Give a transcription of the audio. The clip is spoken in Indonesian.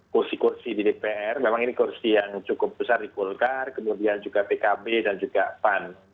kursi kursi di dpr memang ini kursi yang cukup besar di golkar kemudian juga pkb dan juga pan